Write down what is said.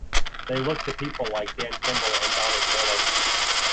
They look to people like Dan Kimball and Donald Miller.